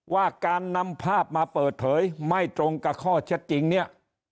ว่าการนำภาพมาเปิดเผยไม่ตรงกับข้อเท็จจริงเนี่ย